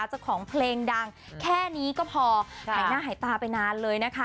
เจ้าของเพลงดังแค่นี้ก็พอหายหน้าหายตาไปนานเลยนะคะ